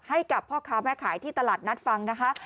ให้กับพ่อค้าแม่ขายที่ตลาดนัดฟังนะคะ